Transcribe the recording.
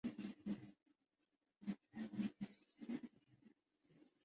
فیض صاحب بہرحال خوب بات کہہ گئے۔